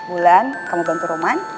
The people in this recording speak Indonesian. ulan kamu bantu roman